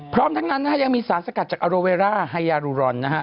พร้อมทั้งนั้นนะฮะยังมีสารสกัดจากอโรเวร่าไฮยารูรอนนะฮะ